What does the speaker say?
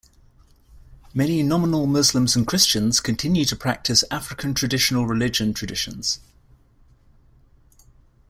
Many nominal Muslims and Christians continue to practice African Traditional Religion traditions.